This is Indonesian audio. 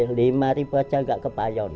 lima saja tidak terbayang